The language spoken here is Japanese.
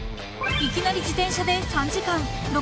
［いきなり自転車で３時間。